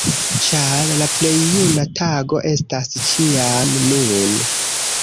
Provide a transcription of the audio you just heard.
Ĉar "La plej juna tago estas ĉiam nun!